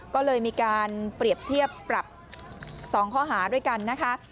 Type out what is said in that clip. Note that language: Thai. ก็เลยมีการเปรียบเทียบปรับ๒ข้อหาด้วยกันนะคะ